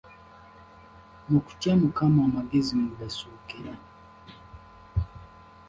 Mu kutya Mukama amagezi mwe gasookera.